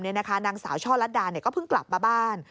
นางสาวช่อลัดดาก็เพิ่งกลับมาบ้าน